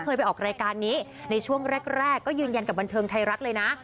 ไปออกรายการนี้ในช่วงแรกก็ยืนยันกับบันเทิงไทยรัฐเลยนะ